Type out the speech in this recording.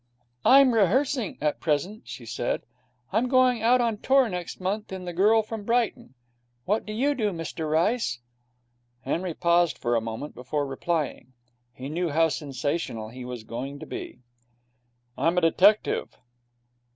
'I'm rehearsing at present,' she said. 'I'm going out on tour next month in "The Girl From Brighton". What do you do, Mr Rice?' Henry paused for a moment before replying. He knew how sensational he was going to be. 'I'm a detective.'